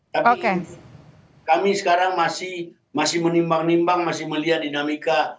tapi kami sekarang masih menimbang nimbang masih melihat dinamika